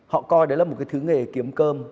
họ coi đấy là một cái thứ nghề kiếm cơm